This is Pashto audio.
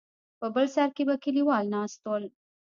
په بل سر کې به کليوال ناست ول.